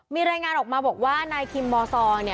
มีรายงานออกมาบอกว่านายคิมมซอ